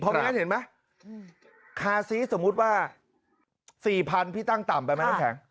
เพราะงั้นเห็นไหมคาซีสมมุติว่า๔๐๐พี่ตั้งต่ำไปไหมน้ำแข็ง